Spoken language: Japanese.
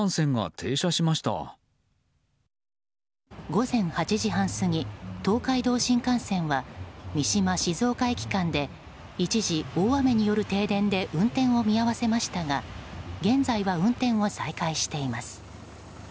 午前８時半過ぎ東海道新幹線は三島静岡駅間で一時大雨による停電で運転を見合わせていましたが現在は運転を再開しています。